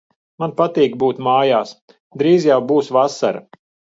Man patīk būt mājās. Drīz jau būs vasara.